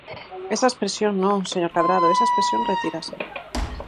Esa expresión non, señor Cadrado, esa expresión retírase.